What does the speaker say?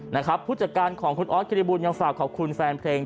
นะครับผู้จัดการของคุณออสกิริบูลยังฝากขอบคุณแฟนเพลง